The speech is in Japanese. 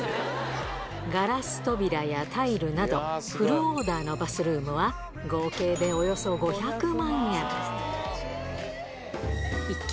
ガラス扉やタイルなど、フルオーダーのバスルームは、合計でおよそ５００万円。